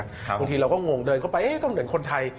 บางทีเราก็งงเดินเข้าไปก็เหมือนคนไทย